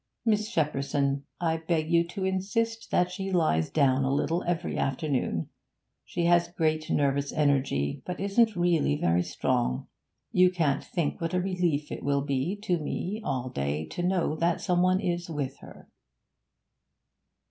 'Miss Shepperson, I beg you to insist that she lies down a little every afternoon. She has great nervous energy, but isn't really very strong. You can't think what a relief it will be to me all day to know that some one is with her.'